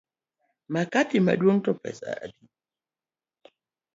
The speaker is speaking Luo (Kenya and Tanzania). Makati maduong’ to pesa adi?